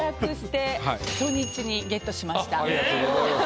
ありがとうございます。